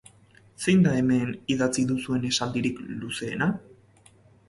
Zein da hemen idatzi duzuen esaldirik luzeena?